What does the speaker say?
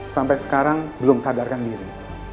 sampai sekarang belum sadarkan diri